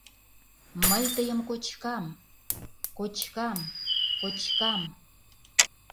Мый тыйым кочкам... кочкам... кочкам!